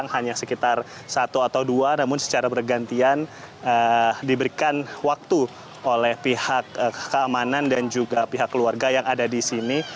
hanya sekitar satu atau dua namun secara bergantian diberikan waktu oleh pihak keamanan dan juga pihak keluarga yang ada di sini